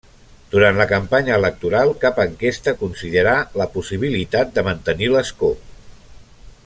Durant la campanya electoral, cap enquesta considerà la possibilitat de mantenir l'escó.